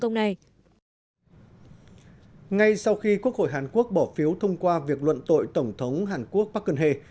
ngay sau khi quốc hội hàn quốc bỏ phiếu thông qua việc luận tội tổng thống hàn quốc park geun hye